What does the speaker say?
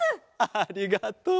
ありがとう。